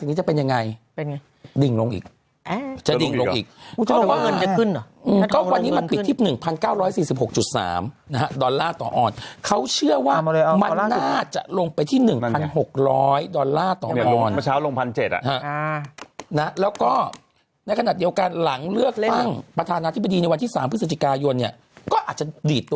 รองราคาทองคำรูปภัณฑ์เนี่ย๒๗๑๙๗บาท